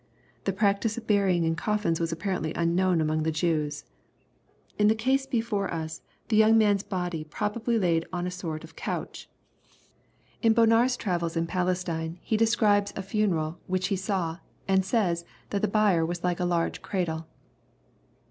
The practice of burying in coffins was apparently unknown among the Jews. In the case before us, the young LUKE, CHAP. VII. 213 man's body probably laid 01 a sort of couch. In Bonar's travels in Palestine, he desciibes a funeral which he saw, and says that the bier was like " a large cradle."